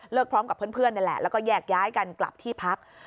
พร้อมกับเพื่อนนี่แหละแล้วก็แยกย้ายกันกลับที่พัก